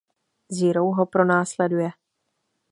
Zero ho pronásleduje.